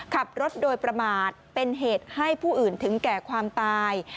ขับรถโดยประมาทเป็นเหตุให้ผู้อื่นถึงแก่ความตาย